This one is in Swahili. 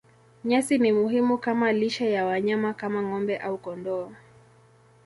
Nyasi ni muhimu kama lishe ya wanyama kama ng'ombe au kondoo.